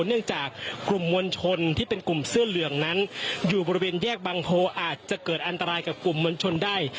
เนื่องจากกลุ่มมวลชนที่เป็นกลุ่มเสื้อเหลืองนั้นอยู่บริเวณแยกบังโพอาจจะเกิดอันตรายกับกลุ่มมวลชนได้